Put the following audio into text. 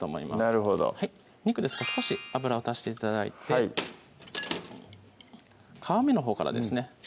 なるほど肉ですが少し油を足して頂いてはい皮目のほうからですね